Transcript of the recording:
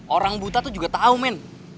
orang buta tuh juga tau men